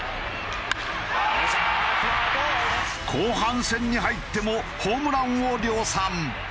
後半戦に入ってもホームランを量産。